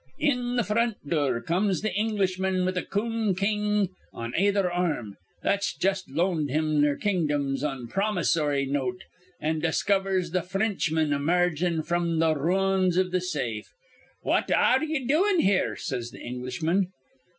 "In th' fr ront dure comes th' Englishman with a coon king on ayether ar rm that's jus' loaned him their kingdoms on a prom'ssory note, and discovers th' Fr rinchman emargin' frim th' roons iv th' safe. 'What ar re ye doin' here?' says th' Englishman.